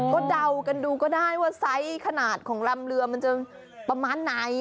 ก็เดากันดูก็ได้ว่าไซส์ขนาดของลำเรือมันจะประมาณไหน